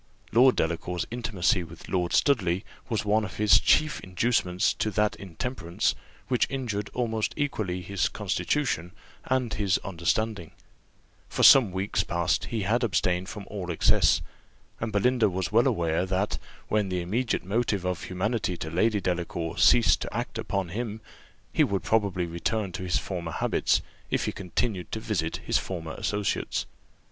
Lord Delacour's intimacy with Lord Studley was one of his chief inducements to that intemperance, which injured almost equally his constitution and his understanding: for some weeks past he had abstained from all excess, and Belinda was well aware, that, when the immediate motive of humanity to Lady Delacour ceased to act upon him, he would probably return to his former habits, if he continued to visit his former associates.